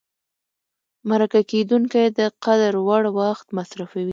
مرکه کېدونکی د قدر وړ وخت مصرفوي.